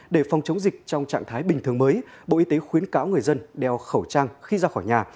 để phòng chống dịch trong trạng thái bình thường mới bộ y tế khuyến cáo người dân đeo khẩu trang khi ra khỏi nhà